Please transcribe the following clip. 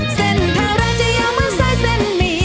เส้นทางร้านจะยาวเหมือนสายเส้นมี